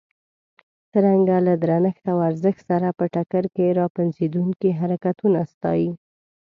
څرنګه له درنښت او ارزښت سره په ټکر کې را پنځېدونکي حرکتونه ستایي.